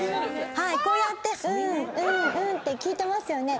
こうやってうんうんって聞いてますよね。